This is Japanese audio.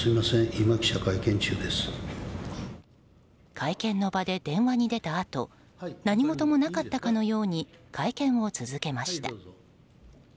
会見の場で電話に出たあと何事もなかったかのように会見を続けました。